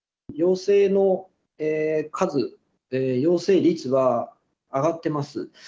陽性の数、陽性率が上がってます。